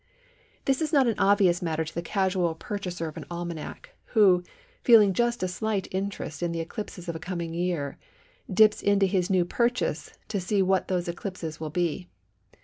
This is not an obvious matter to the casual purchaser of an almanac, who, feeling just a slight interest in the eclipses of a coming new year, dips into his new purchase to see what those eclipses will be.